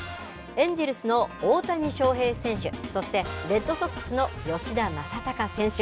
エンジェルスの大谷翔平選手、そしてレッドソックスの吉田正尚選手。